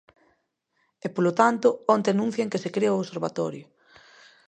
E, polo tanto, onte anuncian que se crea o observatorio.